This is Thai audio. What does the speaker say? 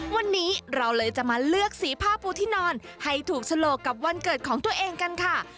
วันนี้เราเลยจะมาเลือกสีผ้าปูที่นอนให้ถูกฉลกกับวันเกิดของตัวเองกันค่ะ